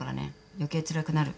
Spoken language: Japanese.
余計つらくなる。